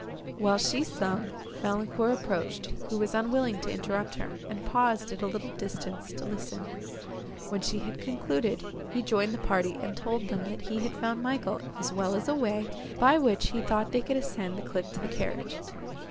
While she sung, Valancourt approached, who was unwilling to interrupt her, and paused at a little distance to listen. When she had concluded, he joined the party, and told them, that he had found Michael, as well as a way, by which he thought they could ascend the cliff to the carriage.